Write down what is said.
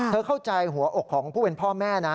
เข้าใจหัวอกของผู้เป็นพ่อแม่นะ